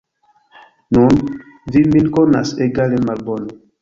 Nun, vi min konas egale malbone.